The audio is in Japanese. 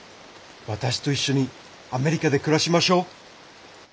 私と一緒にアメリカで暮らしましょう。